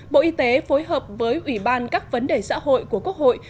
bộ y tế phối hợp với ủy ban các vấn đề xã hội của quốc hội